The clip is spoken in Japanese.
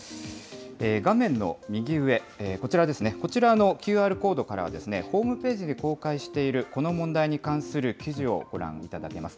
画面の右上、こちらですね、こちらのＱＲコードからはですね、ホームページで公開しているこの問題に関する記事をご覧いただけます。